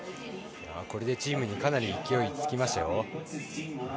これでチームにかなり勢いつきますよ。